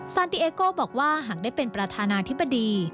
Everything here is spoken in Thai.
ติเอโก้บอกว่าหากได้เป็นประธานาธิบดี